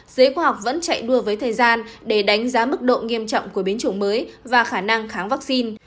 giới khoa học vẫn chạy đua với thời gian để đánh giá mức độ nghiêm trọng của biến chủng mới và khả năng kháng vaccine